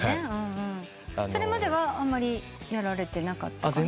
それまではあまりやられてなかった？